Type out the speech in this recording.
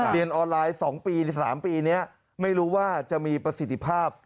เรียนออนไลน์๒ปี๓ปีนี้ไม่รู้ว่าจะมีประสิทธิภาพ